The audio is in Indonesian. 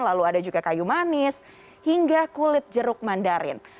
lalu ada juga kayu manis hingga kulit jeruk mandarin